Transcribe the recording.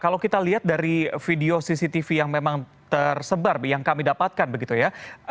kalau kita lihat dari video cctv yang memang tersebar yang kami dapatkan begitu ya